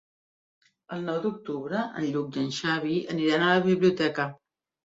El nou d'octubre en Lluc i en Xavi aniran a la biblioteca.